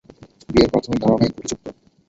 বিয়ের প্রাথমিক ধারণাই ত্রুটিযুক্ত।